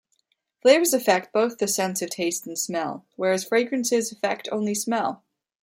Flavors affect both the sense of taste and smell, whereas fragrances affect only smell.